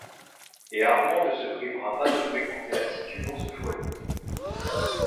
Et Armand ne se privera pas de fréquenter assidûment ce foyer.